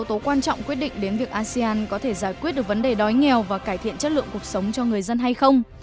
nó là một trong các yếu tố quan trọng quyết định đến việc asean có thể giải quyết được vấn đề đói nghèo và cải thiện chất lượng cuộc sống cho người dân hay không